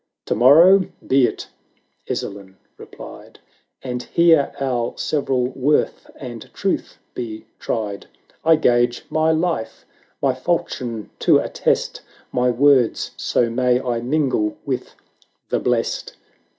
"To morrow be it," Ezzelin replied, "And here our several worth and truth be tried; I gage my life, my falchion to attest 480 My words, so may I mingle with the blest!"